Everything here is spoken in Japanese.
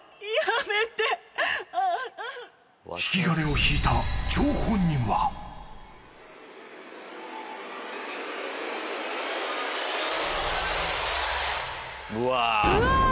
［引き金を引いた張本人は］うわ！